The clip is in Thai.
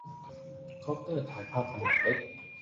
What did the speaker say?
คอปเตอร์ถ่ายภาพขนาดเล็ก